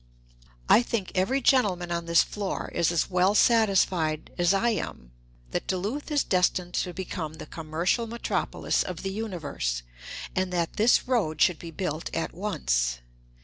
I think every gentleman on this floor is as well satisfied as I am that Duluth is destined to become the commercial metropolis of the universe, and that this road should be built at once.